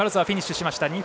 フィニッシュしました。